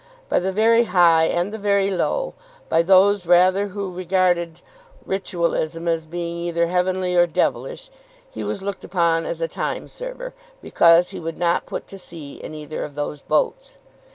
By the very high and the very low, by those rather who regarded ritualism as being either heavenly or devilish, he was looked upon as a time server, because he would not put to sea in either of those boats.